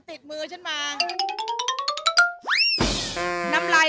พร้อมแล้ว